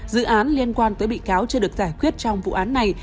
dự án liên quan tới bị cáo chưa được giải quyết trong vụ án này